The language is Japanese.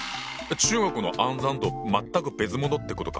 中国の「暗算」と全く別物ってことか。